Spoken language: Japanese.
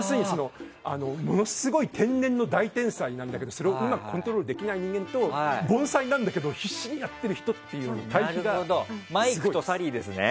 ものすごく天然の大天才なんですがそれをうまくコントロールできない天才と凡才なんだけど必死になってる人というマイクとサリーですね。